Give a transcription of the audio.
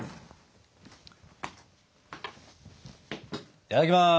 いただきます！